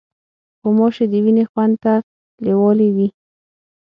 غوماشې د وینې خوند ته لیوالې وي.